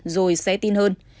rồi xé tin hơn